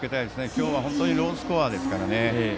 今日は本当にロースコアですから。